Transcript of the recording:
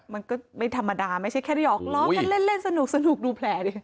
มันก็ไม่ธรรมดาไม่ใช่แค่ได้หอกล้อกันเล่นสนุกดูแผลดิ